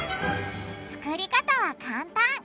作り方は簡単。